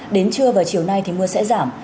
đến trưa và chiều nay thì mưa sẽ giảm